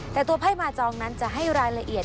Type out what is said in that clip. แต่ตัวไพ่มาจองนั้นจะให้รายละเอียด